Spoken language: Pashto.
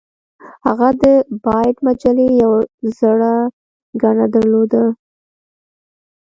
هغه د بایټ مجلې یوه زړه ګڼه درلوده